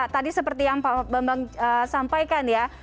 tadi seperti yang pak bambang sampaikan ya